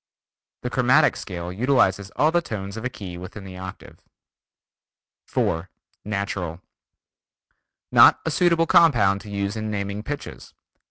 The chromatic scale utilizes all the tones of a key within the octave. 4. Natural: Not a suitable compound to use in naming pitches.